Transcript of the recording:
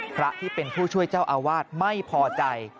พระที่เป็นผู้ช่วยเจ้าอาวาสไม่พอใจ